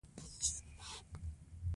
دنیوي سعادت په دې پورې تړلی دی.